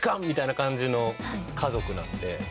みたいな感じの家族なんで。